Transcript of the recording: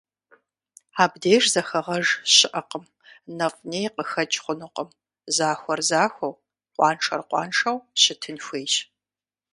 Абдеж зэхэгъэж щыӀэкъым, нэфӀ-ней къыхэкӀ хъунукъым: захуэр захуэу, къуаншэр къуаншэу щытын хуейщ.